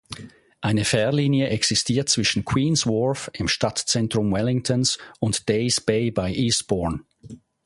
Eine Fährlinie existiert zwischen Queens Wharf im Stadtzentrum Wellingtons und Days Bay bei Eastbourne.